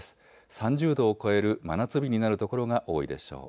３０度を超える真夏日になる所が多いでしょう。